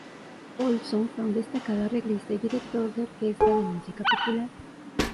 Olsson fue un destacado arreglista y director de orquesta de música popular.